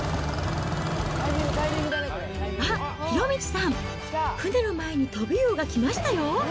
あっ、博道さん、船の前にトビウオが来ましたよ。